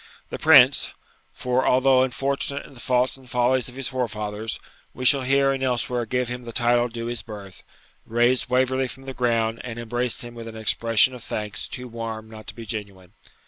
The Prince (for, although unfortunate in the faults and follies of his forefathers, we shall here and elsewhere give him the title due to his birth) raised Waverley from the ground and embraced him with an expression of thanks too warm not to be genuine.